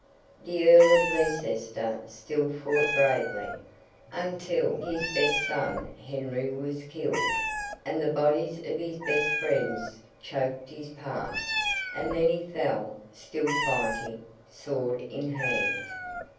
The Earl of Leicester still fought bravely, until his best son Henry was killed, and the bodies of his best friends choked his path; and then he fell, still fighting, sword in hand.